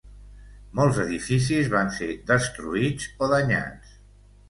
Molts edificis van ser destruïts o danyats.